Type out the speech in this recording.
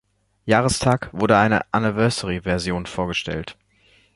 Jahrestag wurde eine Anniversary Version vorgestellt.